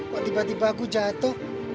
kok tiba tiba aku jatuh